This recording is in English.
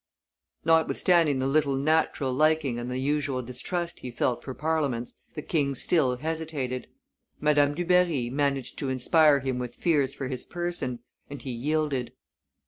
Notwithstanding the little natural liking and the usual distrust he felt for Parliaments, the king still hesitated. Madame Dubarry managed to inspire him with fears for his person; and he yielded.